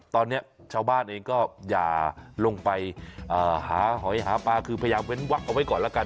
ตอนนี้ชาวบ้านเองก็อย่าลงไปหาหอยหาปลาคือพยายามเว้นวักเอาไว้ก่อนแล้วกัน